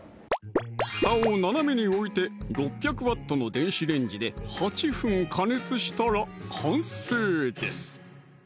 蓋を斜めに置いて６００Ｗの電子レンジで８分加熱したら完成です